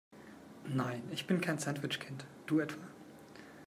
Nein, ich bin kein Sandwich-Kind. Du etwa?